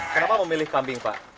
kenapa memilih kambing pak